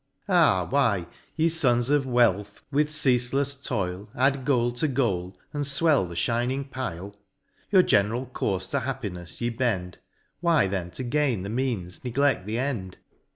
Ah ! why, ye Sons of Wealth, with ceafelefs toil, Add gold to gold, and fwell the fliining pile ? Your general courfe to happinefs ye bend. Why then to gain the means negle£t the end